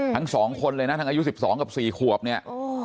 ทั้งสองคนเลยนะทั้งอายุ๑๒กับ๔ขวบเนี่ย